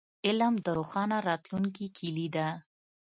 علم د روښانه راتلونکي کیلي ده.